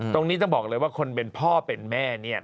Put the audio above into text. ตรงนี้ต้องบอกเลยว่าคนเป็นพ่อเป็นแม่เนี่ย